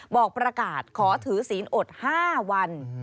บอกประกาศขอถือศีลอด๕วัน